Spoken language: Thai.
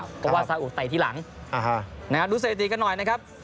เพราะว่าสาอุทไตที่หลังนะครับดูเศรษฐีกันหน่อยนะครับ